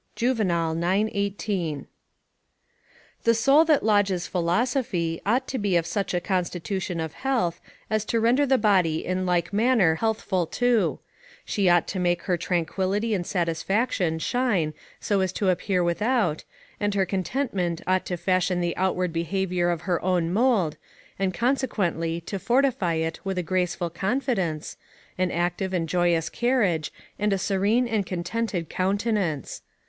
Juvenal, ix. 18] The soul that lodges philosophy, ought to be of such a constitution of health, as to render the body in like manner healthful too; she ought to make her tranquillity and satisfaction shine so as to appear without, and her contentment ought to fashion the outward behaviour to her own mould, and consequently to fortify it with a graceful confidence, an active and joyous carriage, and a serene and contented countenance.